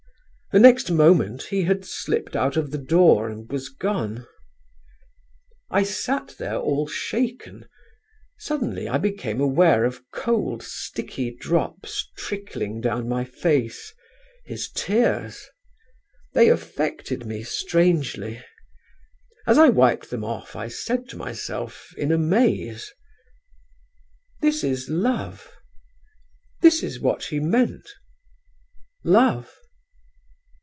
The next moment he had slipped out of the door and was gone.... "I sat there all shaken. Suddenly I became aware of cold, sticky drops trickling down my face his tears. They affected me strangely. As I wiped them off I said to myself in amaze: "'This is love: this is what he meant love.'...